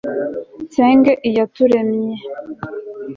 nsenge iyaturemye